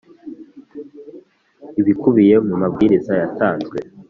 ibikubiye mu mabwiriza yatanzwe